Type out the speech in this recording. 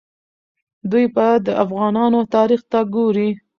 دوی به د افغانانو تاریخ ته ګوري.